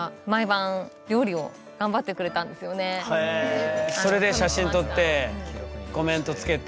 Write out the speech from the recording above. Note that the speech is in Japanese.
その時にそれで写真撮ってコメントつけて。